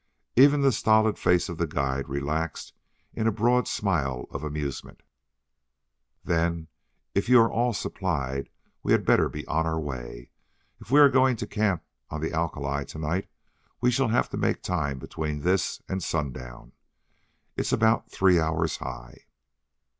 Even the stolid face of the guide relaxed in a broad smile of amusement. "Then, if you are all supplied, we had better be on our way. If we are going to camp on the alkali to night we shall have to make time between this and sundown. It's about three hours high."